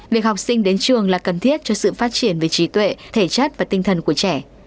việc học sinh đến trường là cần thiết cho sự phát triển về trí tuệ thể chất và tinh thần của trẻ